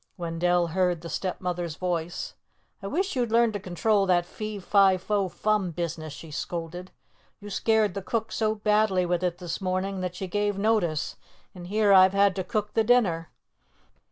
Wendell heard the Stepmother's voice. "I wish you'd learn to control that fee, fi, fo, fum business!" she scolded. "You scared the cook so badly with it this morning that she gave notice, and here I've had to cook the dinner.